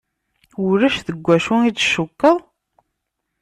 Ulac deg wacu i d-tcukkeḍ?